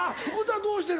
どうしてるの？